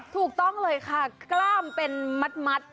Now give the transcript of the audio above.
ถูกต้องเลยค่ะกล้ามเป็นมัด